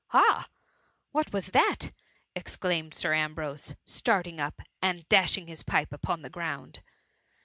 *^ Ah ! what was that ?^ exclaimed Sir Ambrose, starting up, and dashing his pipe upon the ground.